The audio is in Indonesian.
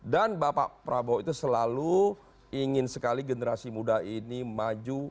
dan bapak prabowo itu selalu ingin sekali generasi muda ini maju